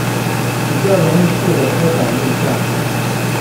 比較容易借的刻板印象